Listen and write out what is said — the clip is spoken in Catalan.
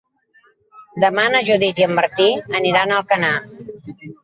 Demà na Judit i en Martí aniran a Alcanar.